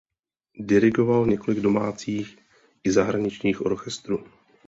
Dirigoval několik domácích i zahraničních orchestrů.